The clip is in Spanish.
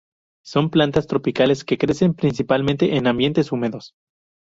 Son plantas tropicales que crecen principalmente en ambientes húmedos.